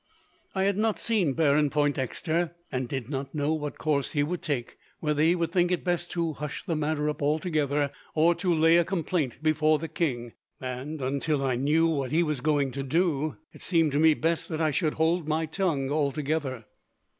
"I had not seen Baron Pointdexter, and did not know what course he would take whether he would think it best to hush the matter up altogether, or to lay a complaint before the king; and, until I knew what he was going to do, it seemed to me best that I should hold my tongue, altogether.